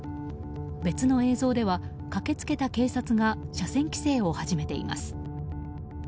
別の映像では駆けつけた警察が車線規制を始めています。